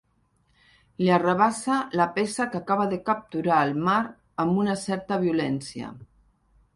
Li arrabassa la peça que acaba de capturar al mar amb una certa violència.